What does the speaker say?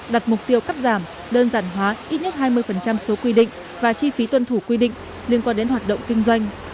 đặt mục tiêu cắt giảm đơn giản hóa ít nhất hai mươi số quy định và chi phí tuân thủ quy định liên quan đến hoạt động kinh doanh